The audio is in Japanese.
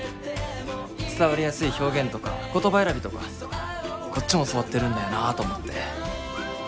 伝わりやすい表現とか言葉選びとかこっちも教わってるんだよなと思って。